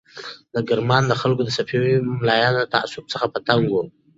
د کرمان خلک د صفوي ملایانو له تعصب څخه په تنګ وو.